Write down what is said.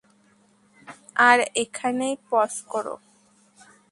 আর এখানেই পজ করো।